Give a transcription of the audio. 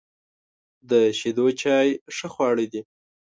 د شیدو چای ښه خواړه دي.